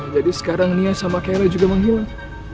jadi sekarang nia sama kayla juga menghilang